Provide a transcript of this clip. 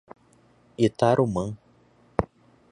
Itarumã